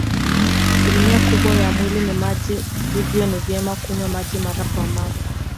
Asilimia kubwa ya mwili ni maji hivyo ni vyema kunywa maji mara kwa mara